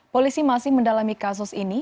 polisi masih mendalami kasus ini